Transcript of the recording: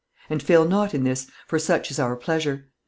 And fail not in this, for such is our pleasure.